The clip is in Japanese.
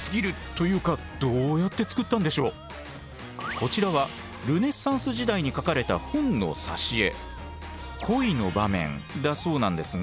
こちらはルネサンス時代に描かれた本の挿絵。